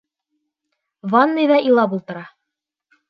Ванныйҙа илап ултыра.